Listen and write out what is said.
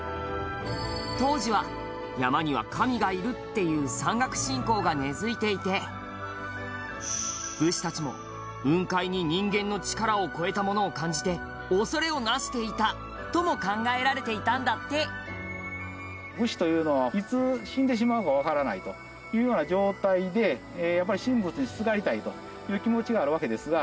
当時は「山には神がいる」っていう山岳信仰が根付いていて武士たちも、雲海に人間の力を超えたものを感じて恐れをなしていたとも考えられていたんだって武士というのはいつ死んでしまうかわからないというような状態で、やっぱり神仏にすがりたいという気持ちがあるわけですが。